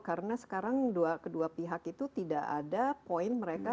karena sekarang kedua pihak itu tidak ada poin mereka